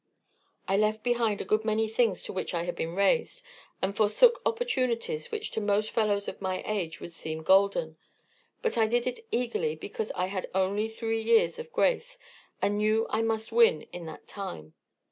I left behind a good many things to which I had been raised, and forsook opportunities which to most fellows of my age would seem golden; but I did it eagerly, because I had only three years of grace and knew I must win in that time.